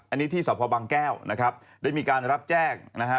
อันนี้ที่สพบังแก้วนะครับได้มีการรับแจ้งนะฮะ